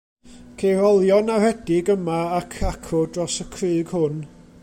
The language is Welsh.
Ceir olion aredig yma ac acw dros y crug hwn.